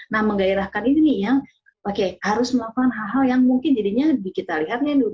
nah menggairahkan ini nih yang oke harus melakukan hal hal yang mungkin jadinya kita lihat